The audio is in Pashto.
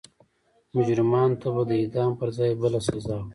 مجرمانو ته به د اعدام پر ځای بله سزا وه.